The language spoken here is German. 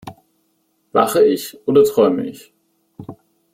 Wache ich oder träume ich?